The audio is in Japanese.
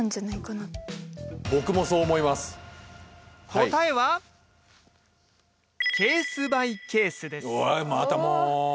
答えはおいまたもう。